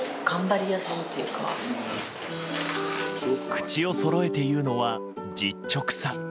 口をそろえて言うのは実直さ。